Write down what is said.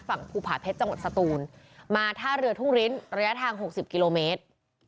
ภูผาเพชรจังหวัดสตูนมาท่าเรือทุ่งริ้นระยะทาง๖๐กิโลเมตร